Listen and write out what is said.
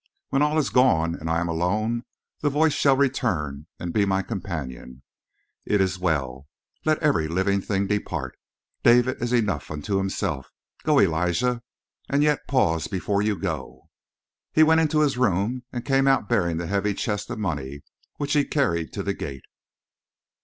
When all is gone and I am alone the Voice shall return and be my companion. It is well. Let every living thing depart. David is enough unto himself. Go, Elijah! And yet pause before you go!" He went into his room and came out bearing the heavy chest of money, which he carried to the gate.